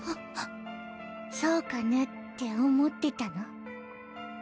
そうかなって思ってたの。